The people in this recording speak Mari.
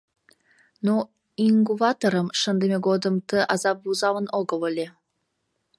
Но иҥгуватырым шындыме годым ты азап вузалын огыл ыле.